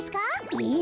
えっ？